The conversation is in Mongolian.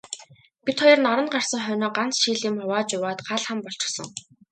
Бид хоёр наранд гарсан хойноо ганц шил юм хувааж уугаад гал хам болчихсон.